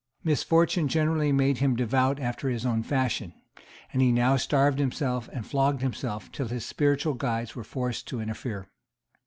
Misfortune generally made him devout after his own fashion; and he now starved himself and flogged himself till his spiritual guides were forced to interfere.